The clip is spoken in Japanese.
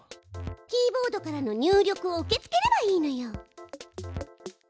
キーボードからの入力を受け付ければいいのよ。